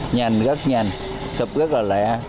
nhàn rất nhàn sập rất là lẻ